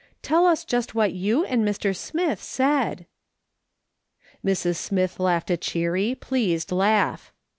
Tell us j ust what you and Mr. Smith said." Mrs. Smith laughed a cheery, pleased laugh.